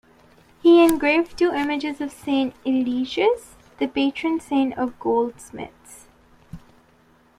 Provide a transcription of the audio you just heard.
He engraved two images of Saint Eligius, the patron-saint of goldsmiths.